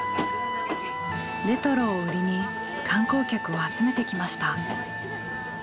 レトロを売りに観光客を集めてきました。